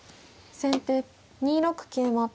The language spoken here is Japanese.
先手２六桂馬。